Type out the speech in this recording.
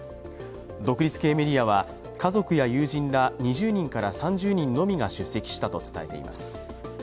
独立系メディアは家族や友人ら２０人から３０人のみが出席したと伝えています。